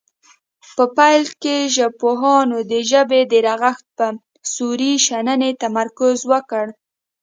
په پیل کې ژبپوهانو د ژبې د رغښت په صوري شننې تمرکز وکړ